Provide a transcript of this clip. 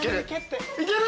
いける！